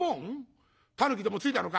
たぬきでもついたのか？」。